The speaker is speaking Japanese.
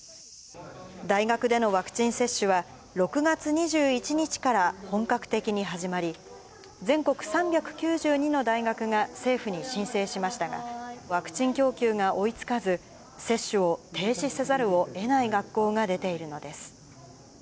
大学でのワクチン接種は、６月２１日から本格的に始まり、全国３９２の大学が政府に申請しましたが、ワクチン供給が追いつかず、接種を停止せざるをえない学校が出ているのです。